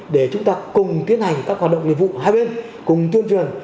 để chúng ta cùng tiến hành các hoạt động nghiệp vụ hai bên cùng tuyên truyền